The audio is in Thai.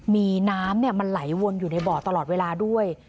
มีน้ำมันไหลวนอยู่ในบ่อตลอดเวลาด้วย